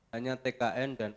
hanya tkn dan